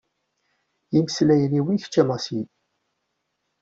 Imeslayen-iw i kečč a Masi.